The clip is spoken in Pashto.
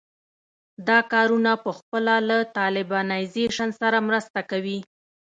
دا کارونه پخپله له طالبانیزېشن سره مرسته کوي.